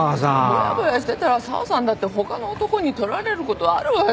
ぼやぼやしてたら紗和さんだって他の男にとられることあるわよ。